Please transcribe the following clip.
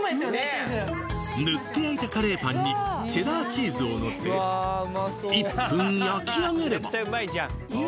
チーズぬって焼いたカレーパンにチェダーチーズをのせ１分焼き上げればいい！